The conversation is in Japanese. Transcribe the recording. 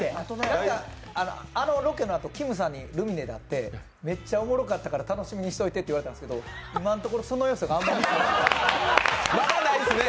あのロケのあと、きむさんにルミネで会ってめっちゃおもろかったから、楽しみにしておいてと言われたんですけど、今のところ、そのよさがあんまり。